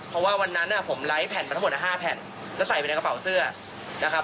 เพราะว่าวันนั้นผมไร้แผ่นมาทั้งหมด๕แผ่นแล้วใส่ไปในกระเป๋าเสื้อนะครับ